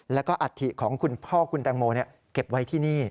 แล้วก็อัฐิของคุณพ่อคุณแตงโมเก็บไว้ที่นี่